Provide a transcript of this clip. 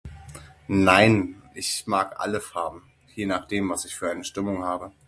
Nein ich mag alle Farben, je nachdem was ich für eine Stimmung habe.